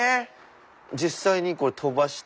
実際にこれ飛ばして？